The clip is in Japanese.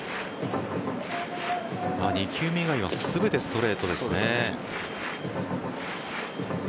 ２球目以外は全てストレートですね。